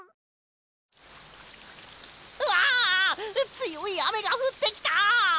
つよいあめがふってきた！